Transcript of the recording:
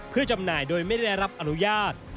เพื่อจำหน่ายโดยไม่ได้รับอนุญาต